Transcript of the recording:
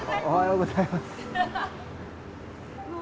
おはようございます。